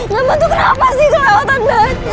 namanya lu kenapa sih kelewatan banget